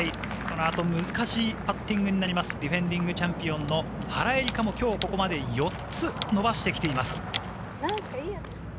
難しいパッティングになりますディフェンディングチャンピオンの原英莉花も今日ここまで４つ伸ばしてきています。